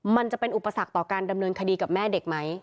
มันจะเป็นอุปสรรคต่อการดำเนินคดีกับแม่เด็กไหม